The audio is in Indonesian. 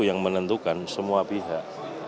yang menentukan semua pihak